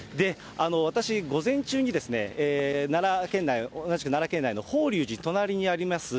私、午前中に、同じく奈良県内の法隆寺の隣にあります